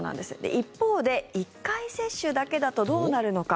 一方で、１回接種だけだとどうなるのか。